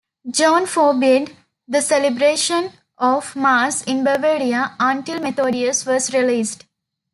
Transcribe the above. John forbade the celebration of Mass in Bavaria until Methodius was released.